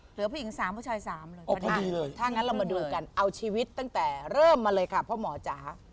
เหลือผู้หญิง๓ผู้ชาย๓เลยนะคะถ้างั้นเรามาดูกันเอาชีวิตตั้งแต่เริ่มมาเลยค่ะพ่อหมอจ๋า